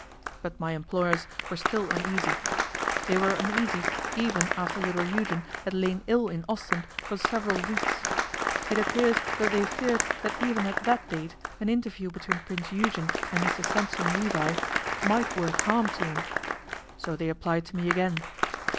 But my employers were still uneasy. They were uneasy even after little Eugen had lain ill in Ostend for several weeks. It appears that they feared that even at that date an interview between Prince Eugen and Mr Sampson Levi might work harm to them. So they applied to me again.